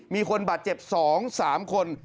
มีคนบาดเจ็บ๒๓คน